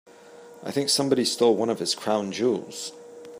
I think somebody stole one of his crown jewels.